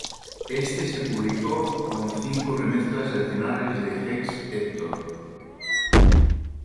Este se publicó con cinco remezclas adicionales de Hex Hector.